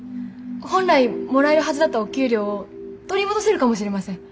本来もらえるはずだったお給料を取り戻せるかもしれません。